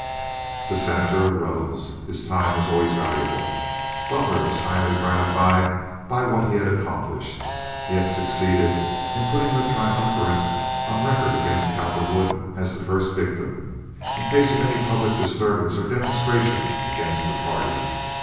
The Senator arose. His time was always valuable. Butler was highly gratified by what he had accomplished. He had succeeded in putting the triumvirate on record against Cowperwood as the first victim, in case of any public disturbance or demonstration against the party.